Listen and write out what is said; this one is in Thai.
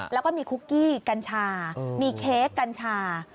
แล้วก็มีคุกกี้กัญชามีเค้กกัญชา